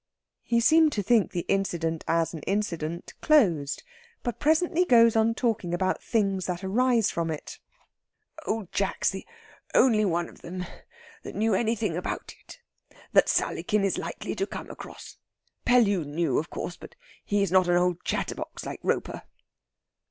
He seemed to think the incident, as an incident, closed; but presently goes on talking about things that arise from it. "Old Jack's the only one of them all that knew anything about it that Sallykin is likely to come across. Pellew knew, of course; but he's not an old chatterbox like Roper."